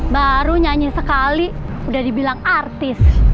baru nyanyi sekali udah dibilang artis